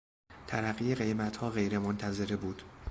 ترقی قیمتها غیرمنتظره بود.